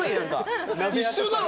一緒だろ！